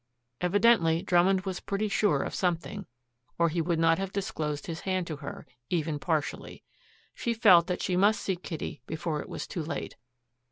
Evidently Drummond was pretty sure of something, or he would not have disclosed his hand to her, even partially. She felt that she must see Kitty before it was too late.